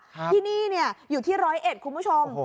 ที่นี่อยู่ที่๑๐๑คุณผู้ชม